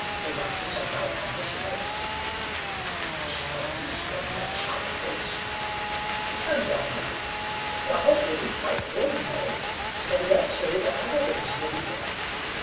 They want to send out more missionaries." "A charity sermon at Chaldicotes!" "And why not? The house will be quite full, you know; and I dare say the Arabins will be there."